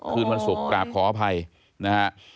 คืนวันศุกร์กราบขออภัยนะฮะ